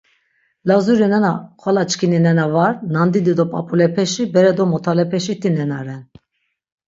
Lazuri nena xvala çkini nena var, nandidi do p̆ap̆ulepeşi, bere do motalepeşiti nena ren.